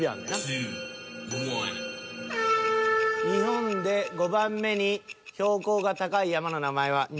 「日本で５番目に標高が高い山の名前は」。